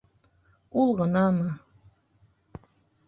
Ул ғынамы...